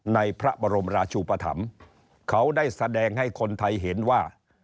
ในพระบรมราชุปธรรมเขาได้แสดงให้คนไทยเห็นว่า